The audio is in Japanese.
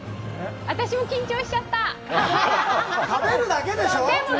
私も緊張しちゃった！